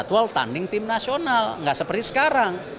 jadwal tanding tim nasional nggak seperti sekarang